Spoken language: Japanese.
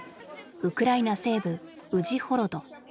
ウクライナ西部ウジホロド。